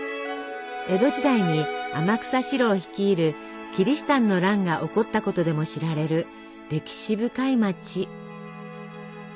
江戸時代に天草四郎率いるキリシタンの乱が起こったことでも知られる歴史深い町。